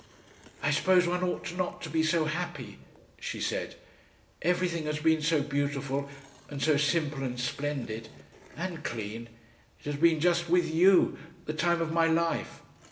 "I suppose one ought not to be so happy," she said. "Everything has been so beautiful and so simple and splendid. And clean. It has been just With You the time of my life.